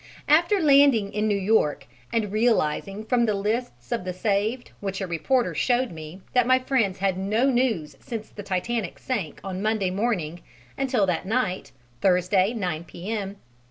After landing in New York and realizing from the lists of the saved which a reporter showed me that my friends had no news since the Titanic sank on Monday morning until that night (Thursday 9 P.M.)